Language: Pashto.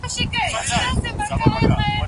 زه اوس کتابتون ته راځم؟!